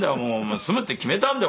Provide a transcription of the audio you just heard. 住むって決めたんだよ